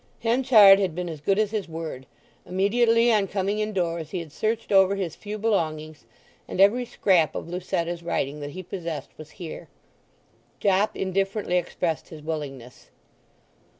Henchard had been as good as his word. Immediately on coming indoors he had searched over his few belongings, and every scrap of Lucetta's writing that he possessed was here. Jopp indifferently expressed his willingness.